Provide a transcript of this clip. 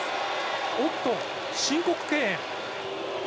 おっと申告敬遠。